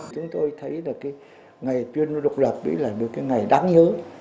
chúng tôi thấy là cái ngày tuyên ngôn độc lập đấy là một cái ngày đáng nhớ